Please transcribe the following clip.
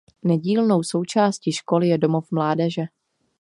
Nedílnou součástí školy je Domov mládeže.